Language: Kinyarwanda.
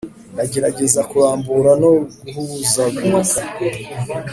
ndagerageza kurambura no guhuzagurika.